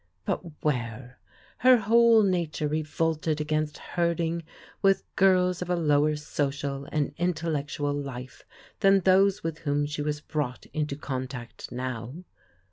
But where ? Her whole nature revolted against herding with girls of a lower social and intellectual life than those with whom she was brought into contact now.